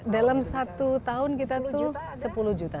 dalam satu tahun kita tuh sepuluh juta